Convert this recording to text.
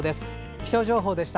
気象情報でした。